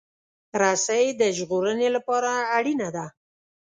رسۍ د ژغورنې لپاره اړینه ده.